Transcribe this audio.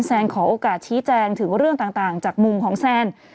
แซนขอโอกาสชี้แจงถึงเรื่องต่างจากมุมของแซน